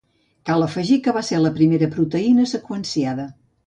Cal afegir que va ser la primera proteïna seqüenciada.